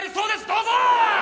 どうぞ！